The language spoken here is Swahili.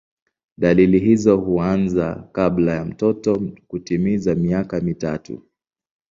Dalili hizo huanza kabla ya mtoto kutimiza miaka mitatu.